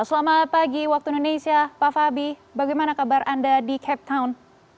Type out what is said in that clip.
selamat pagi waktu indonesia pak fabi bagaimana kabar anda di cape town